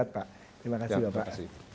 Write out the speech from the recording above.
selam sehat pak terima kasih bapak